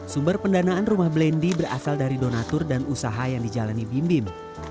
sumber pendanaan rumah blendy berasal dari donatur dan usaha yang dijalani bim bim